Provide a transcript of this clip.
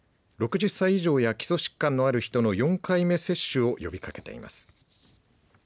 ６０歳以上や基礎疾患のある人の４回目接種を呼びかけています。